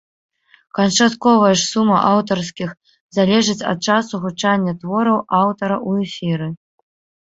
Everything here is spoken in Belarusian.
Канчатковая ж сума аўтарскіх залежыць ад часу гучання твораў аўтара ў эфіры.